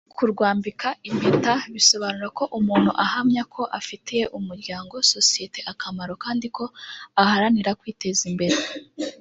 Kurwambika impeta bisobanura ko umuntu ahamya ko afitiye umuryango (sosiyete) akamaro kandi ko aharanira kwiteza imbere